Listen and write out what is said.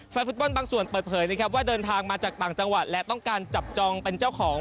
ฟุตบอลบางส่วนเปิดเผยนะครับว่าเดินทางมาจากต่างจังหวัดและต้องการจับจองเป็นเจ้าของ